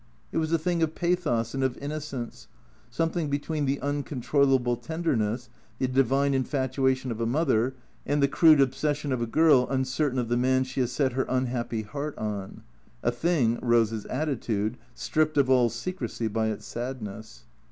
It was a thing of pathos and of innocence, some thing between the uncontrollable tenderness, the divine infatua tion of a mother, and the crude obsession of a girl uncertain of the man she has set her unhappy heart on ; a thing, Eose's atti tude, stripped of all secrecy by its sadness.